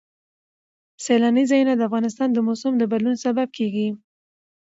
سیلانی ځایونه د افغانستان د موسم د بدلون سبب کېږي.